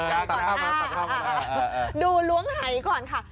ล้วงล้วงก่อนค่ะดูล้วงหายก่อนค่ะ